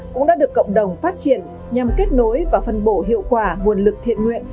cũng đã được cộng đồng phát triển nhằm kết nối và phân bổ hiệu quả nguồn lực thiện nguyện